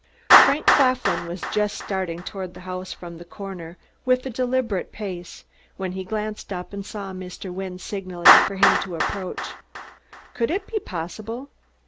Frank Claflin was just starting toward the house from the corner with deliberate pace when he glanced up and saw Mr. Wynne signaling for him to approach. Could it be possible?